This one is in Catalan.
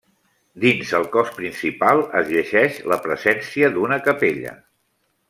Dins el cos principal es llegeix la presència d'una capella.